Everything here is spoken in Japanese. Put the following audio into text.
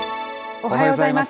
おはようございます。